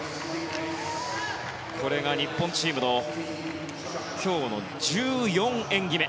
これが日本チームの今日の１４演技目。